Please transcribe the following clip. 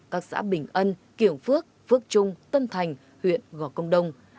các xã bình ân kiểng phước phước trung tân thành huyện gò công đông